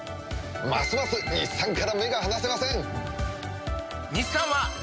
ますます日産から目が離せません！